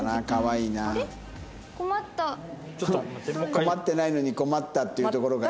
困ってないのに困ったって言うところがいいね。